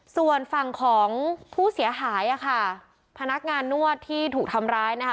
ส่วนฝั่งของผู้เสียหายอ่ะค่ะพนักงานนวดที่ถูกทำร้ายนะคะ